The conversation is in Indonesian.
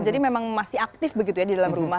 jadi memang masih aktif begitu ya di dalam rumah